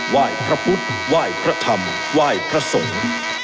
ว่ายพระพุทธว่ายพระธรรมว่ายพระสงฆ์